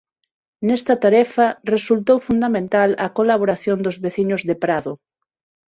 Nesta tarefa resultou fundamental a colaboración dos veciños de Prado.